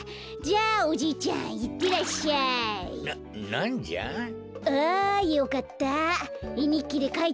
あよかった。